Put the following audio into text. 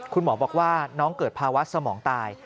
คุณหมอบอกว่าน้องเกิดภาวะสมองตาย